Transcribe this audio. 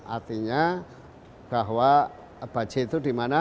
artinya bahwa bajai itu dimana